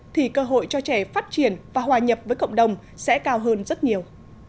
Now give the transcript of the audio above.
thì cơ hội cho trẻ phát triển và hòa nhập với cộng đồng sẽ cao hơn rất nhiều